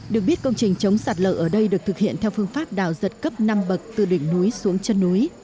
được biết công trình chống sạt lở ở đây được thực hiện theo phương pháp đào giật cấp năm bậc từ đỉnh núi xuống chân núi